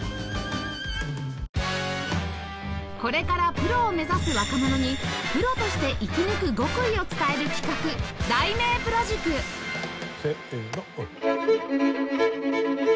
これからプロを目指す若者にプロとして生き抜く極意を伝える企画題名プロ塾せーの。